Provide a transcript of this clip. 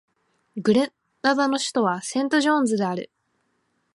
グレナダの首都はセントジョージズである